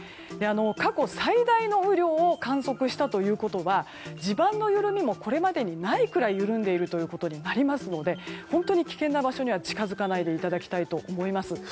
過去最大の雨量を観測したということは地盤の緩みもこれまでにないぐらい緩んでいますので本当に危険な場所には近づかないでいただきたいと思います。